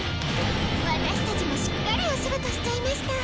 私たちもしっかりお仕事しちゃいました。